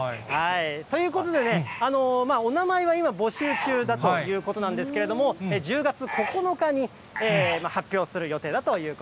ということでね、お名前は今、募集中だということなんですけれども、１０月９日に発表する予定